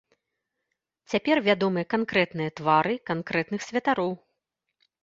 Цяпер вядомыя канкрэтныя твары канкрэтных святароў.